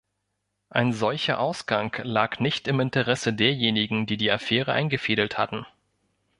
Ein solcher Ausgang lag nicht im Interesse derjenigen, die die Affäre eingefädelt hatten.